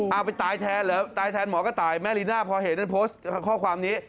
เอาไปตายแทนเหรอตายแทนหมอกระต่ายแม่ลีน่าพอเห็นได้โพสต์ข้อความนี้